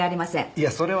いやそれは。